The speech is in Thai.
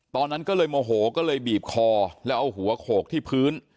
ตอนนั้นก็เลยโมโหก็เลยบีบคอแล้วเอาหัวโขกที่พื้น